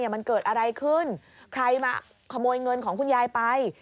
มันเกิดอะไรขึ้นใครมาขโมยเงินของคุณยายไป